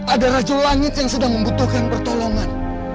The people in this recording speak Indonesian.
ada racu langit yang sedang membutuhkan pertolongan